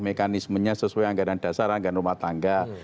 mekanismenya sesuai anggaran dasar anggaran rumah tangga